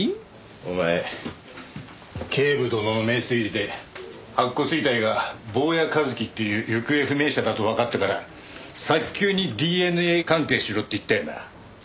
お前警部殿の名推理で白骨遺体が坊谷一樹っていう行方不明者だとわかったから早急にＤＮＡ鑑定しろって言ったよな？